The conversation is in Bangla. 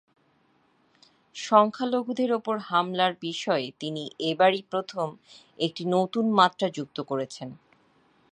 সংখ্যালঘুদের ওপর হামলার বিষয়ে তিনি এবারই প্রথম একটি নতুন মাত্রা যুক্ত করেছেন।